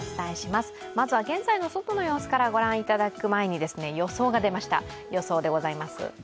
まずは現在の外の様子から御覧いただく前に予想でございます。